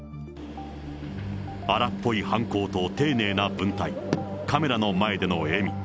荒っぽい犯行と丁寧な文体、カメラの前での笑み。